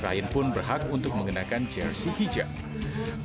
ryan pun berhak untuk mengenakan jersey hijab